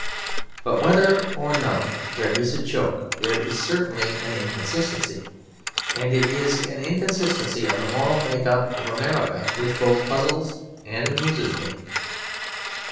But whether or no there is a joke, there is certainly an inconsistency; and it is an inconsistency in the moral make up of America which both puzzles and amuses me.